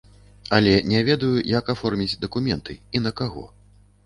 Але не ведаю, як аформіць дакументы і на каго.